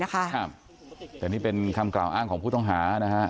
แต่นี่เป็นคำกล่าวอ้างของผู้ต้องหานะฮะ